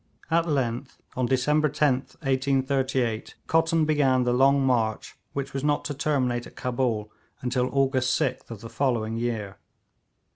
At length, on December 10th, 1838, Cotton began the long march which was not to terminate at Cabul until August 6th of the following year.